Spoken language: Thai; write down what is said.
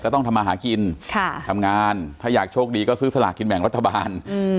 ต้องทำมาหากินทำงานถ้าอยากโชคดีก็ซื้อสลากกินแบ่งรัฐบาล